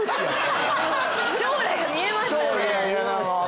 将来が見えましたね。